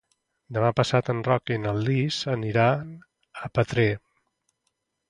Demà passat en Roc i na Lis aniran a Petrer.